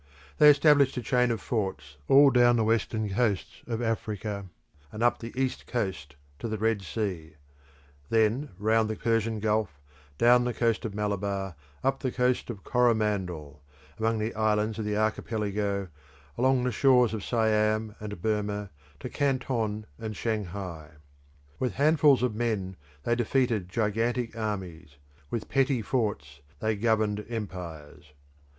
They established a chain of forts all down the western coast of Africa, and up the east coast to the Red Sea; then round the Persian Gulf, down the coast of Malabar, up the coast of Coromandel, among the islands of the Archipelago, along the shores of Siam and Burma to Canton and Shanghai. With handfuls of men they defeated gigantic armies; with petty forts they governed empires.